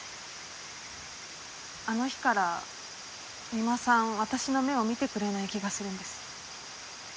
あの日から三馬さん私の目を見てくれない気がするんです。